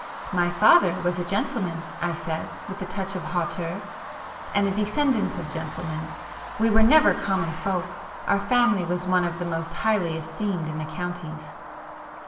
"My father was a gentleman," I said, with a touch of hauteur, "and a descendant of gentlemen. We were never common folk,—our family was one of the most highly esteemed in the counties."